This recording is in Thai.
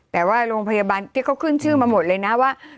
แต่ว่าโรงพยาบาลที่เขาขึ้นชื่อมาหมดเลยนะว่า